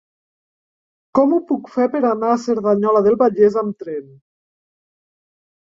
Com ho puc fer per anar a Cerdanyola del Vallès amb tren?